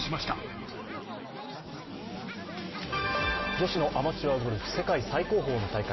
女子のアマチュアゴルフ世界最高峰の大会